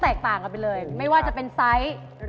แต่ว่ากลิ่นแอปเปิล